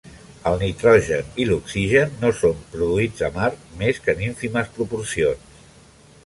El nitrogen i l'oxigen no són produïts a Mart més que en ínfimes proporcions.